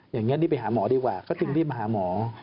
อย่างนี้รีบไปหาหมอดีกว่าก็จึงรีบมาหาหมอ